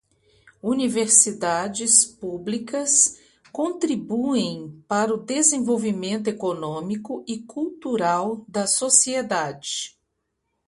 Universidades públicas contribuem para o desenvolvimento econômico e cultural da sociedade.